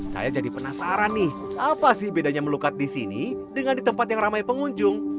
saya jadi penasaran nih apa sih bedanya melukat di sini dengan di tempat yang ramai pengunjung